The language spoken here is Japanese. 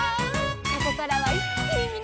「ここからはいっきにみなさまを」